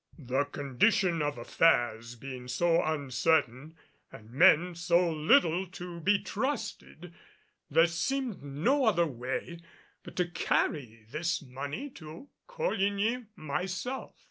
The condition of affairs being so uncertain and men so little to be trusted, there seemed no other way but to carry this money to Coligny myself.